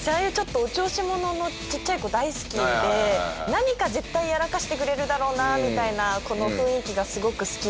何か絶対やらかしてくれるだろうなみたいなこの雰囲気がすごく好きでしたね。